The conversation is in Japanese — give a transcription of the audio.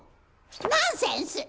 ナンセンス！